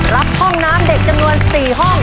รับห้องน้ำเด็กจำนวน๔ห้อง